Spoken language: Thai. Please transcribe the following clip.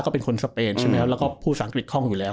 ก็เป็นคนสเปนใช่ไหมครับแล้วก็พูดภาษาอังกฤษคล่องอยู่แล้ว